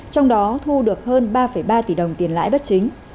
trong đó thu được hơn ba ba tỷ đồng tiền lãi bất chính